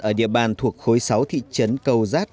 ở địa bàn thuộc khối sáu thị trấn cầu giác